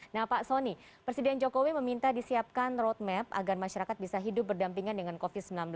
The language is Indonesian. nah pak soni presiden jokowi meminta disiapkan roadmap agar masyarakat bisa hidup berdampingan dengan covid sembilan belas